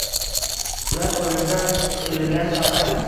Ular qoʻlimizdan qutilgan faqat